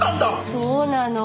そうなの。